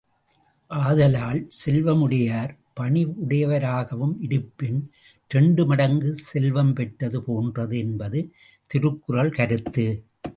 ஆதலால், செல்வம் உடையார் பணிவுடையாராகவும் இருப்பின் இரண்டு மடங்கு செல்வம் பெற்றது போன்றது என்பது திருக்குறள் கருத்து.